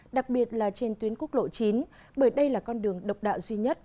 đặc biệt là trên tuyến quốc lộ chín bởi đây là con đường độc đạo duy nhất